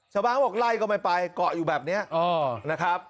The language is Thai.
เขาบอกไล่ก็ไม่ไปเกาะอยู่แบบนี้นะครับ